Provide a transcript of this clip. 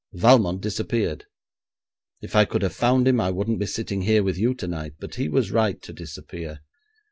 Valmont disappeared. If I could have found him, I wouldn't be sitting here with you tonight; but he was right to disappear.